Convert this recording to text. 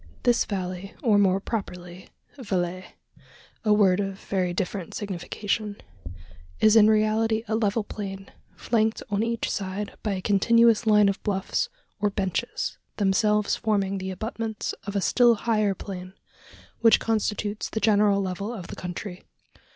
This valley, or, more properly, valle a word of very different signification is in reality a level plain, flanked on each side by a continuous line of bluffs or "benches" themselves forming the abutments of a still higher plain, which constitutes the general level of the country.